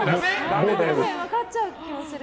分かっちゃう気もする。